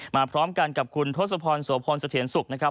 มาพร้อมกันกับคุณทศพรสวพลสเตียนสุกนะครับ